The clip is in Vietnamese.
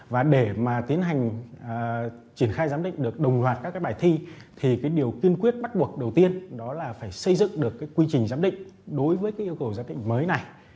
và để mà tiến hành triển khai giám định được đồng loạt các cái bài thi thì cái điều kiên quyết bắt buộc đầu tiên đó là phải xây dựng được cái quy trình giám định đối với cái yêu cầu giám định mới này